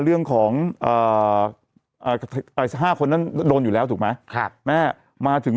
เรื่องของเอ่อเอ่อห้าคนนั้นโดนอยู่แล้วถูกไหมครับแม่มาถึง